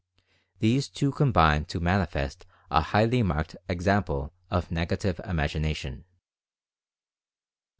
These two combine to manifest a highly marked example of NEGATIVE IMAGINATION.